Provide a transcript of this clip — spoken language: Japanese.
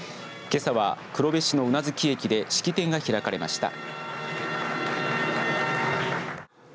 けさは、黒部市の宇奈月駅で式典が開かれました。